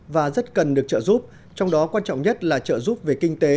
và rất cần được trợ giúp trong đó quan trọng nhất là trợ giúp về kinh tế